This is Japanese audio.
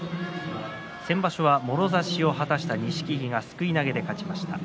先場所はもろ差しを果たした錦木がすくい投げで勝っています。